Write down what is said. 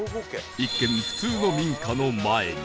一見普通の民家の前に